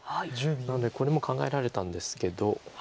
なのでこれも考えられたんですけど。